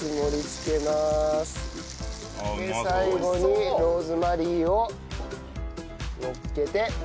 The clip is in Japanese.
で最後にローズマリーをのっけて。